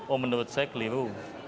oh menurut saya keliru